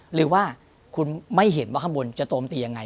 หรือว่าคุณไม่เห็นว่าข้างบนจะโจมตียังไง